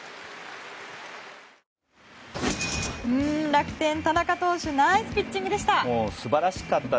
楽天、田中投手ナイスピッチングでした。